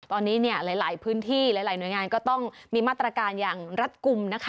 ตอนนี้เนี่ยหลายพื้นที่หลายหน่วยงานก็ต้องมีมาตรการอย่างรัฐกลุ่มนะคะ